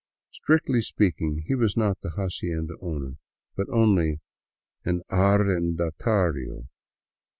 Strictly speaking, he was not the hacienda owner, but only an " arren datario."